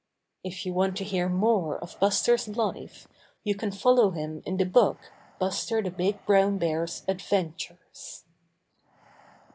If you want to hear more of Buster's life you can follow him in the book "Buster the Big Brown Bear's Adventures."